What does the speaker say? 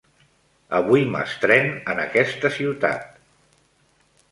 Avui m'estrén en aquesta ciutat.